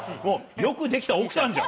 よく出来た奥さんじゃん。